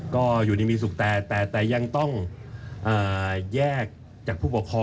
ก็อยู่ดีมีศุกร์แต่แต่แต่ยังต้องเอ่อแยกจากผู้ปกครอง